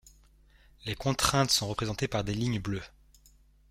Les contraintes sont représentées par des lignes bleues.